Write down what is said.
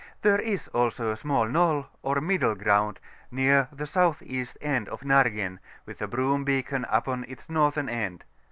There is also a small hnoRt or middle ground^ near the S.E. end of Nargen, witib a broom beacon upon its northern end.